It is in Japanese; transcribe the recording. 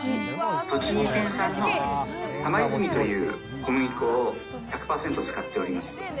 栃木県産のタマイズミという小麦粉を１００％使っております